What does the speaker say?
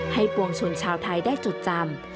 ปวงชนชาวไทยได้จดจำ